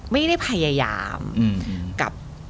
ไม่ได้พยายามกับ